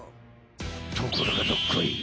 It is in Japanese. ところがどっこい！